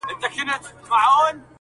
پر مخ وريځ_